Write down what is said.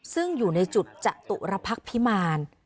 ซึ่งอยู่ในจุดจตุรพักษ์พิมาร